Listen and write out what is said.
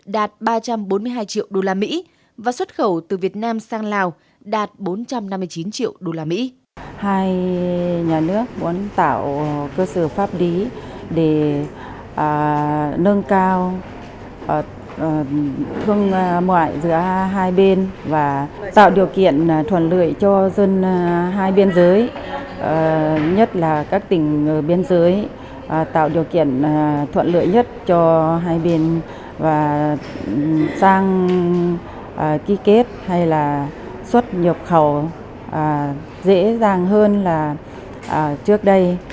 đạt ba trăm bốn mươi hai triệu đô la mỹ và xuất khẩu từ việt nam sang lào đạt bốn trăm năm mươi chín triệu đô la mỹ